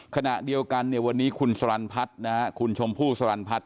ขณะเดียวกันวันนี้คุณสลันพัฒน์คุณชมผู้สลันพัฒน์